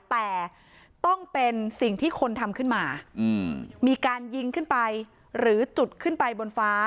แต่ต้องเป็นสิ่งที่คนทำขึ้นมามีการยิงขึ้นไปหรือจุดขึ้นไปบนฟ้า